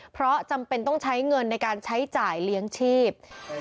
เพราะจำเป็นต้องใช้เงินในการใช้จ่ายเลี้ยงชีพ